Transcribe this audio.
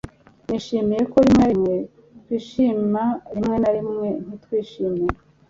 nishimiye ko rimwe na rimwe twishima rimwe na rimwe ntitwishime